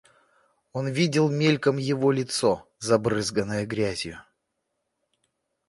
Он видел мельком его лицо, забрызганное грязью.